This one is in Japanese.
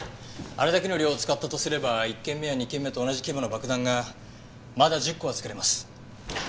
あれだけの量を使ったとすれば１件目や２件目と同じ規模の爆弾がまだ１０個は作れます。